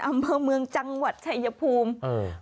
อำเมิงจังหวัดชายภูมิเออ